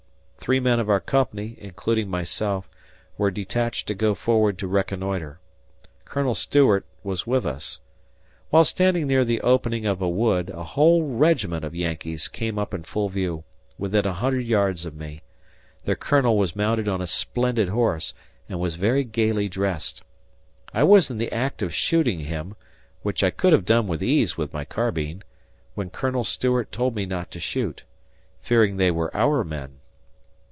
Three men of our Company (including myself) were detached to go forward to reconnoitre. Col. Stewart was with us. While standing near the opening of a wood a whole regiment of Yankees came up in full view, within a hundred yards of me. Their Colonel was mounted on a splendid horse and was very gaily dressed. I was in the act of shooting him, which I could have done with ease with my carbine, when Col. Stewart told me not to shoot, fearing they were our men.